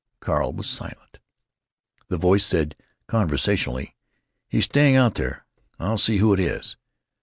Carl was silent. The voice said, conversationally: "He's staying out there. I'll see who it is."